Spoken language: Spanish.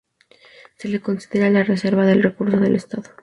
Se le considera la reserva de recursos del estado.